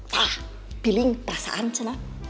pah piling perasaan sana